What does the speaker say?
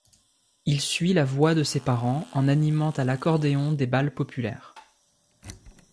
Il suit la voie de ses parents, en animant à l'accordéon des bals populaires.